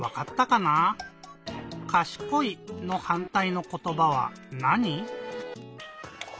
「かしこい」のはんたいのことばはなに？